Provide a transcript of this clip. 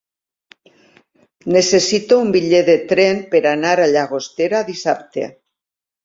Necessito un bitllet de tren per anar a Llagostera dissabte.